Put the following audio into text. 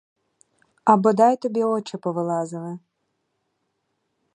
А бодай тобі очі повилазили!